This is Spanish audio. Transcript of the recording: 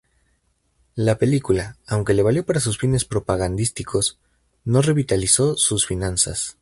La película, aunque le valió para sus fines propagandísticos, no revitalizó sus finanzas.